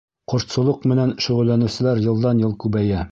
— Ҡортсолоҡ менән шөғөлләнеүселәр йылдан-йыл күбәйә.